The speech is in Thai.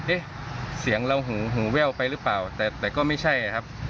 เอ๊ะเสียงเราหูหูแว่วไปหรือเปล่าแต่ก็ไม่ใช่ครับ